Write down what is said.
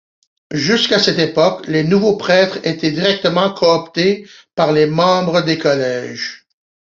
Jusqu'à cette époque, les nouveaux prêtres étaient directement cooptés par les membres des collèges.